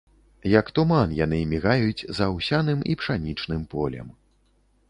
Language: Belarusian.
Як туман, яны мігаюць за аўсяным і пшанічным полем.